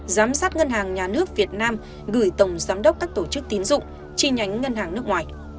giám sát ngân hàng nhà nước việt nam gửi tổng giám đốc các tổ chức tín dụng chi nhánh ngân hàng nước ngoài